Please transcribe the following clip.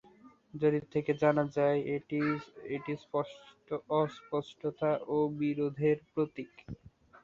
জরিপ থেকে জানা যায়, এটি অস্পষ্টতা ও বিরোধের প্রতীক।